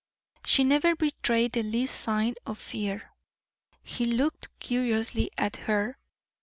She never betrayed the least sign of fear. He looked curiously at her.